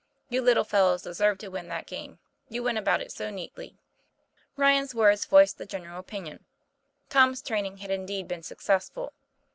You little fellows deserved to win that game, you went about it so neatly." Ryan's words voiced the general opinion. Tom's training had indeed been successful.